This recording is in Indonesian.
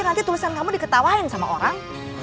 nanti tulisan kamu diketawain sama orang